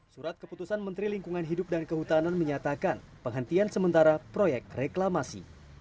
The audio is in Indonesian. surat keputusan menteri lingkungan hidup dan kehutanan menyatakan penghentian sementara proyek reklamasi